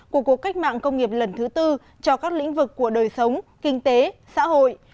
của cuộc cách mạng công nghiệp lần thứ tư cho các lĩnh vực của đời sống kinh tế xã hội